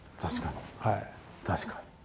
確かに。